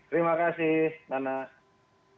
terima kasih mas toto